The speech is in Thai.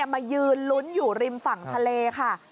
มายืนลุ้นอยู่ริมฝั่งทะเลค่ะ